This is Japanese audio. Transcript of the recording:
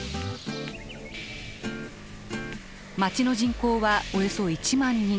町の人口はおよそ１万人。